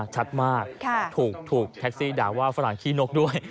ชัดมากถูกแท็กซี่ด่าว่าฝรั่งขี้นกด้วย